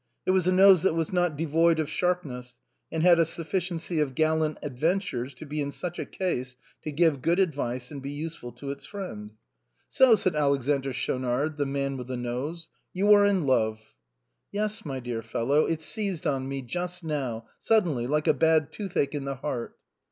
It was a nose that was not devoid of sharpness, and had had a sufficiency of gallant ad ventures to be able in such a case to give good advice and be useful to its friend. " So," said Alexander Schaunard, the man with the nose, "you are in love." " Yes, my dear fellow, it seized on me, just now, sud denly, like a bad toothache in the heart."